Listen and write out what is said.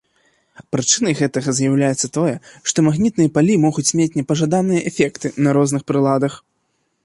Прычынай гэтага з'яўляецца тое, што магнітныя палі могуць мець непажаданыя эфекты на розных прыладах.